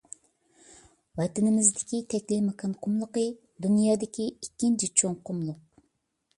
ۋەتىنىمىزدىكى تەكلىماكان قۇملۇقى — دۇنيادىكى ئىككىنچى چوڭ قۇملۇق.